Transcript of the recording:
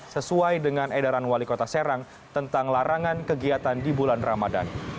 sesuai dengan edaran wali kota serang tentang larangan kegiatan di bulan ramadan